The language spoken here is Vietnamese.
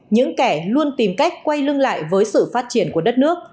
những kẻ luôn tìm cách quay lưng lại với sự phát triển của đất nước